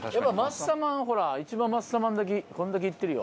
マッサマンほら一番マッサマンだけこんだけ言ってるよ。